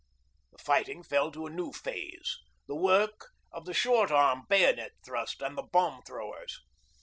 The fighting fell to a new phase the work of the short arm bayonet thrust and the bomb throwers.